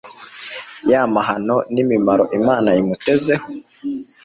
y' amahano N' imimaro Imana imutezeho.